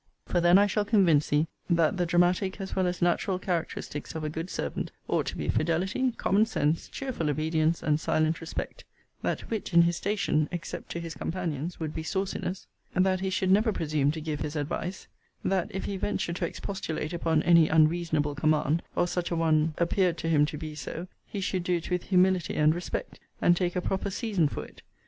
For then I shall convince thee, that the dramatic as well as natural characteristics of a good servant ought to be fidelity, common sense, cheerful obedience, and silent respect; that wit in his station, except to his companions, would be sauciness; that he should never presume to give his advice; that if he venture to expostulate upon any unreasonable command, or such a one a appeared to him to be so, he should do it with humility and respect, and take a proper season for it.